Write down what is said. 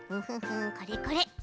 これこれ。